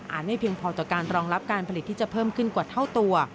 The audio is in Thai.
ไม่เพียงพอต่อการรองรับการผลิตที่จะเพิ่มขึ้นกว่าเท่าตัว